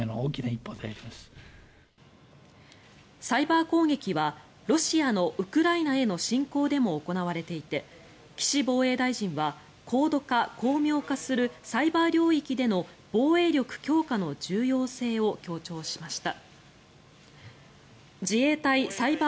サイバー攻撃はロシアのウクライナへの侵攻でも行われていて岸防衛大臣は高度化、巧妙化するサイバー領域での防衛力強化の重要性を強調しました。